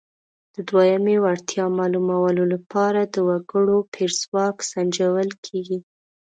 د دویمې وړتیا معلومولو لپاره د وګړو پېر ځواک سنجول کیږي.